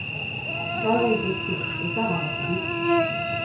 Gal daitezke, ez dago arazorik.